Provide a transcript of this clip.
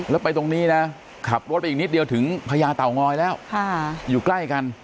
แล้วไปตรงนี้นะขับรถไปอีกนิดเดียวถึงพญาเต่างอยแล้วอยู่ใกล้กัน